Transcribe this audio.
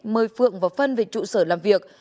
mời phượng vào phân về trụ sở làm việc